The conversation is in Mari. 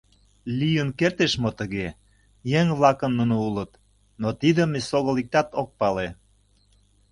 Лийын кертеш мо тыге — еҥ-влакын нуно улыт, но тидым эсогыл иктат ок пале?